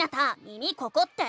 「耳ここ⁉」って。